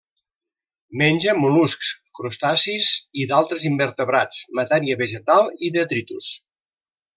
Menja mol·luscs, crustacis i d'altres invertebrats, matèria vegetal i detritus.